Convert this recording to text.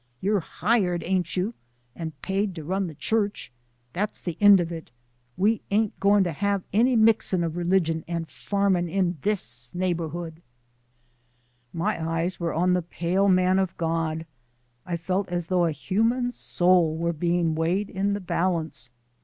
You're hired, ain't you, an' paid to run the church? That's the end of it. We ain't goin' to have any mixin' of religion an' farmin' in THIS neighbourhood." My eyes were on the pale man of God. I felt as though a human soul were being weighed in the balance.